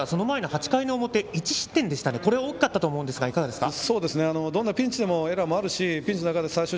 ゲームの中では８回の表１失点でした、これが大きかったと思うんですがいかがですか？